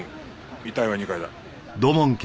遺体は２階だ。